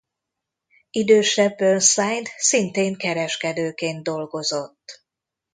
Idősebb Burnside szintén kereskedőként dolgozott.